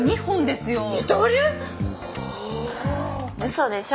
嘘でしょ。